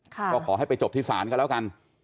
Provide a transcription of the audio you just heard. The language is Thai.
ก็ขอให้ไปจบที่ศาลกันแล้วกัน